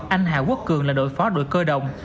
anh hà quốc cường là đội phó đội cơ động